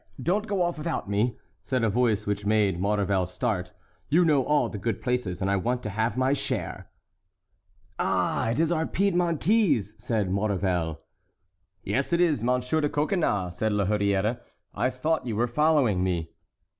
don't go off without me," said a voice which made Maurevel start, "you know all the good places and I want to have my share." "Ah! it is our Piedmontese," said Maurevel. "Yes, it is Monsieur de Coconnas," said La Hurière; "I thought you were following me."